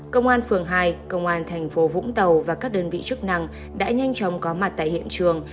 công an phường hai công an thành phố vũng tàu và các đơn vị chức năng đã nhanh chóng có mặt tại hiện trường